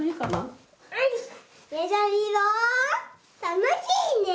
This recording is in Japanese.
楽しいね。